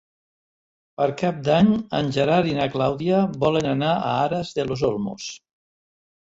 Per Cap d'Any en Gerard i na Clàudia volen anar a Aras de los Olmos.